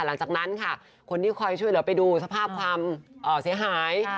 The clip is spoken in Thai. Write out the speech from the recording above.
หลังจากนั้นค่ะคนที่คอยช่วยเหลือไปดูสภาพความเสียหาย